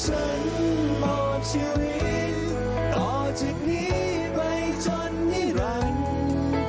ฉันบอกชีวิตต่อจากนี้ไปจนนิรันดิ์